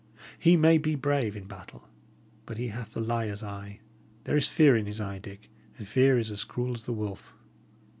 He may be brave in battle, but he hath the liar's eye; there is fear in his eye, Dick, and fear is as cruel as the wolf!